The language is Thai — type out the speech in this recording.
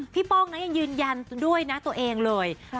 ป้องนะยังยืนยันด้วยนะตัวเองเลย